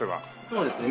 そうですね。